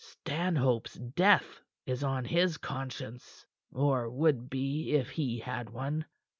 Stanhope's death is on his conscience or would be if he had one.